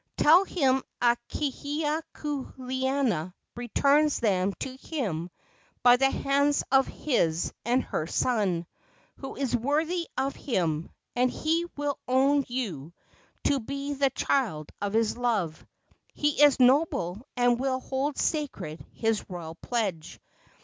Tell him Akahia kuleana returns them to him by the hands of his and her son, who is worthy of him, and he will own you to be the child of his love. He is noble and will hold sacred his royal pledge.